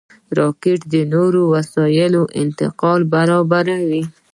راکټ د نورو وسایلو انتقال برابروي